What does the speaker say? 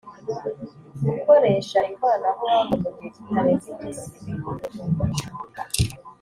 gukoresha ikoranabuhanga mu gihe kitarenze iminsi ibiri